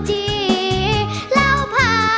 เพลงเก่งของคุณครับ